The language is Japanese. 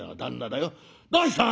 『どうした！？